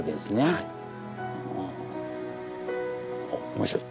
面白い！